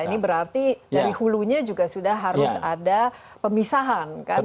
ini berarti dari hulunya juga sudah harus ada pemisahan kan